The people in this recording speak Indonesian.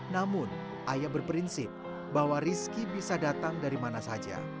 namun ayah berprinsip bahwa rizky bisa datang dari mana saja